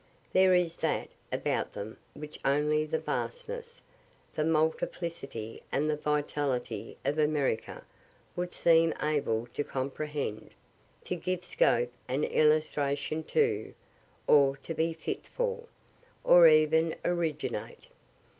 There is that about them which only the vastness, the multiplicity and the vitality of America would seem able to comprehend, to give scope and illustration to, or to be fit for, or even originate.